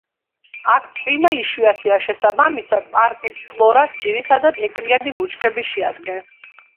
აქ წვიმა იშვიათია, შესაბამისად პარკის ფლორას ძირითადად ეკლიანი ბუჩქები შეადგენს.